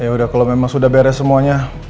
ya udah kalau memang sudah beres semuanya